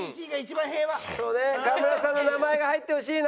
そうね川村さんの名前が入ってほしいな。